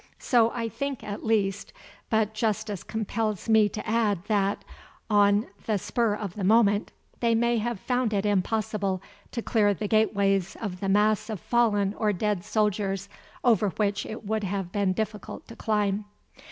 So I think at least, but justice compels me to add that, on the spur of the moment, they may have found it impossible to clear the gateways of the mass of fallen or dead soldiers over which it would have been difficult to climb.